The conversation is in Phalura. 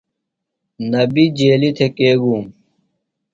نبی جیلیۡ تھےۡ کے گُوم ؟